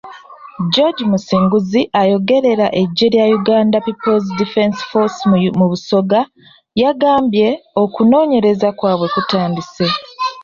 George Musinguzi, ayogerera eggye lya Uganda People's Defence Force mu Busoga yagambye, okunoonyereza kwabwe kutandise.